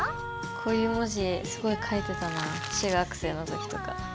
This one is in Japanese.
こういう文字すごい書いてたな中学生の時とか。